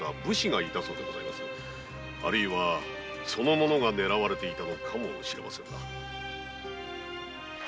あるいはその者が狙われていたのかもしれません。